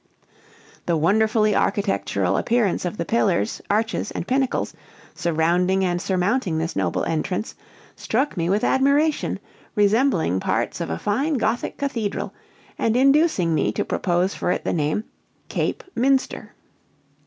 The wonderfully architectural appearance of the pillars, arches, and pinnacles, surrounding and surmounting this noble entrance, struck me with admiration, resembling parts of a fine gothic cathedral, and inducing me to propose for it the name, Cape Minster.